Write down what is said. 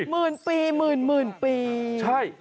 หมื่นปีหมื่นหมื่นปี